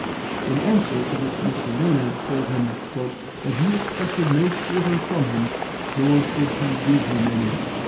In answer to which Mr. Maynard told him "that he expected no quarter from him, nor should he give him any."